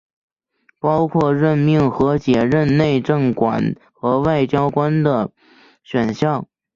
包括任命和解任内政管和外交官的选项。